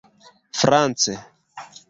france